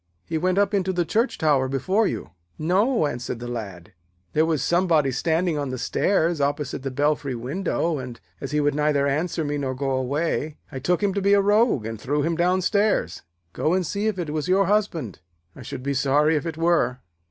'He went up into the church tower before you.' 'No,' answered the Lad. 'There was somebody standing on the stairs opposite the belfry window, and, as he would neither answer me nor go away, I took him to be a rogue and threw him downstairs. Go and see if it was your husband; I should be sorry if it were.'